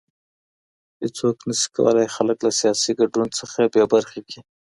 هيڅوک نشي کولای خلګ له سياسي ګډون څخه بې برخي کړي.